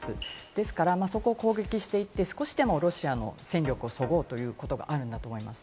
ですから、そこを攻撃していて、少しでもロシアの戦力を削ごうということがあると思います。